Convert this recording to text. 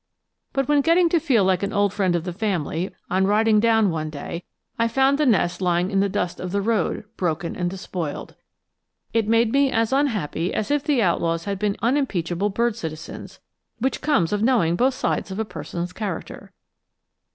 But when getting to feel like an old friend of the family, on riding down one day I found the nest lying in the dust of the road broken and despoiled. It made me as unhappy as if the outlaws had been unimpeachable bird citizens which comes of knowing both sides of a person's character!